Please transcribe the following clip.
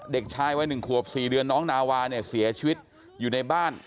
เด็กชายวัย๑ขวบ๔เดือนน้องนาวาเนี่ยเสียชีวิตอยู่ในบ้าน